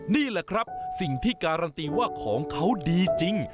นี่แหละครับสิ่งที่การันตีว่าของเขาดีจริง